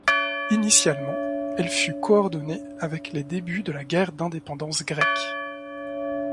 Initialement, elle fut coordonnée avec les débuts de la guerre d'indépendance grecque.